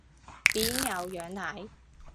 邊有樣睇